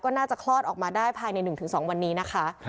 น่าจะคลอดออกมาได้ภายใน๑๒วันนี้นะคะ